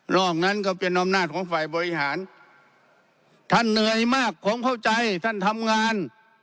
อกนั้นก็เป็นอำนาจของฝ่ายบริหารท่านเหนื่อยมากผมเข้าใจท่านทำงาน